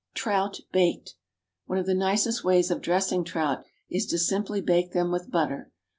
=Trout, Baked.= One of the nicest ways of dressing trout is to simply bake them with butter.